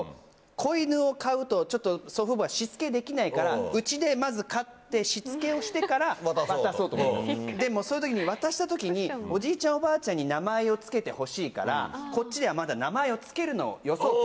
子犬を飼うとちょっと祖父母がしつけできないからうちでまず飼ってしつけをしてから渡そうと思ったんですで渡した時におじいちゃんおばあちゃんに名前を付けてほしいからこっちではまだ名前を付けるのをよそうと。